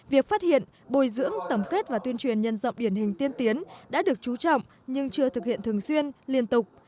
việc phát hiện bồi dưỡng tổng kết và tuyên truyền nhân rộng điển hình tiên tiến đã được chú trọng nhưng chưa thực hiện thường xuyên liên tục